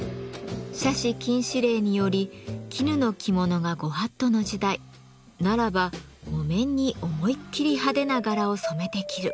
奢侈禁止令により絹の着物が御法度の時代ならば木綿に思いっきり派手な柄を染めて着る。